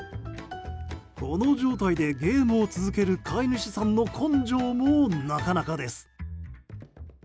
この状態でゲームを続ける飼い主さんの根性もなかなかです。